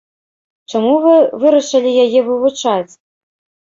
Чаму вы вырашылі яе вывучаць?